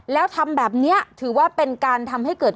แล้วทำแบบนี้ถือว่าเป็นการทำให้เกิด